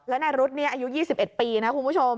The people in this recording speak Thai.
แล้วนายรุ๊ดนี่อายุ๒๑ปีนะครับคุณผู้ชม